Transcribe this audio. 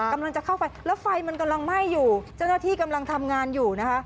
กำลังจะเข้าไปแล้วไฟมันกำลังไหม้อยู่เจ้าหน้าที่กำลังทำงานอยู่นะคะ